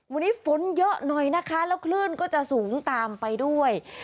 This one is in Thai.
วันนี้ฝนเยอะหน่อยนะคะแล้วคลื่นก็จะสูงตามไปด้วย